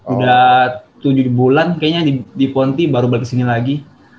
udah tujuh bulan kayaknya di ponti baru balik kesini lagi